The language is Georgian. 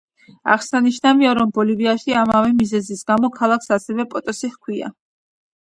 აღსანიშნავია, რომ ბოლივიაში, ამავე მიზეზის გამო ქალაქს ასევე პოტოსი ჰქვია.